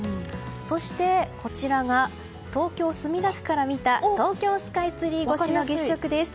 そして、こちらが東京・墨田区から見た東京スカイツリー越しの月食です。